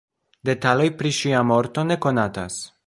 Detaloj pri ŝia morto ne konatas.